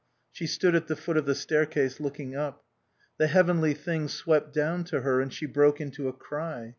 She stood at the foot of the staircase looking up. The heavenly thing swept down to her and she broke into a cry.